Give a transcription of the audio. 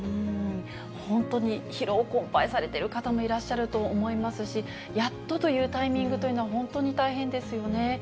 本当に疲労困ぱいされている方もいらっしゃると思いますし、やっとというタイミングというのは、本当に大変ですよね。